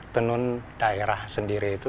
tenun daerah sendiri itu